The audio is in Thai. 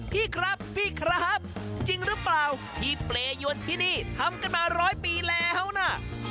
พี่ครับพี่ครับจริงหรือเปล่าที่เปรยวนที่นี่ทำกันมาร้อยปีแล้วนะ